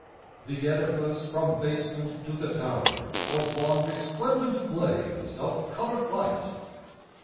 The edifice from basement to the tower Was one resplendent blaze of coloured light.